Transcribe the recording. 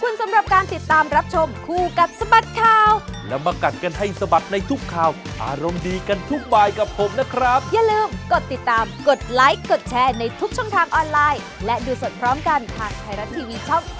อย่าลืมติดตามกันนะครับ